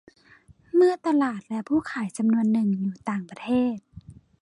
เมื่อตลาดและผู้ขายจำนวนหนึ่งอยู่ต่างประเทศ